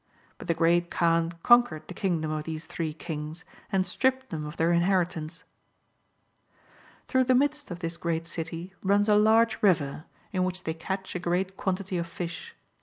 But the Great Kaan conquered the king dom of these three Kings, and stripped them of their inheritance.' Through the midst of this great city runs a large river, in which they catch a great quantity of fish.